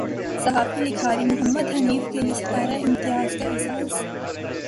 صحافی لکھاری محمد حنیف کے لیے ستارہ امتیاز کا اعزاز